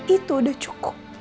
itu udah cukup